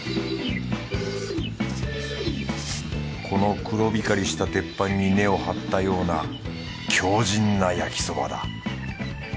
この黒光りした鉄板に根を張ったような強靭な焼そばだ。